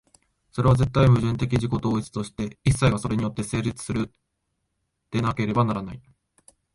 それは絶対矛盾的自己同一として、一切がそれによって成立する一でなければならない。